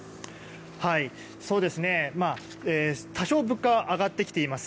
多少、物価は上がってきています。